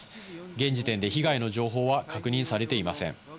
現時点で被害の情報は確認されていません。